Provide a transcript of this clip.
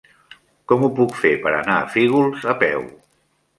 Com ho puc fer per anar a Fígols a peu?